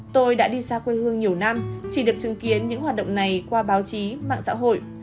tôi đã đi xa quê hương nhiều năm chỉ được chứng kiến những hoạt động này qua báo chí mạng xã hội